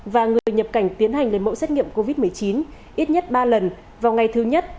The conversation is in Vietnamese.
và người nhập cảnh tiến hành lấy mẫu xét nghiệm covid một mươi chín ít nhất ba lần vào ngày thứ nhất